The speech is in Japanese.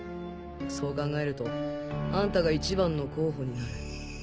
そう考えるとあんたが一番の候補になる。